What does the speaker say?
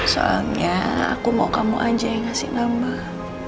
soalnya aku mau kamu aja yang kasih nambah